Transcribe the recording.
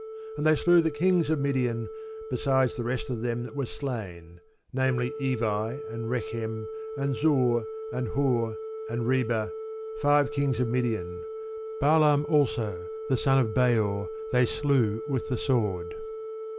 And they slew the kings of Midian, besides the rest of them that were slain; namely Evi, and Rekem, and Zur, and Hur, and Reba, five kings of Midian: Balaam also the son of Beor they slew with the sword.